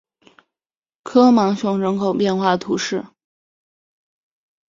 科芒雄人口变化图示